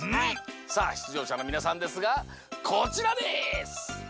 さあしゅつじょうしゃのみなさんですがこちらです！